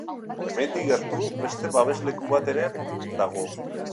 Hemendik gertu, beste babesleku bat ere dago.